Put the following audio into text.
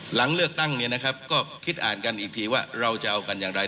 หลังเลือกตั้งก็คิดอ่านกันอีกทีว่าเราจะเอากันอย่างไร